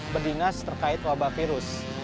berdinas terkait wabah virus